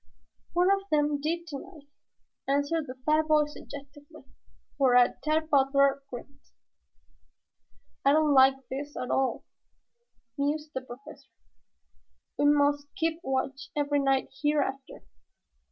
"One of them did tonight," answered the fat boy suggestively, whereat Tad Butler grinned. "I don't like this at all," mused the Professor. "We must keep watch every night hereafter.